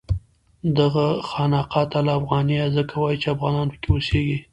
دغه خانقاه ته الافغانیه ځکه وایي چې افغانان پکې اوسېږي.